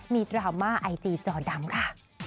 ดราม่าไอจีจอดำค่ะ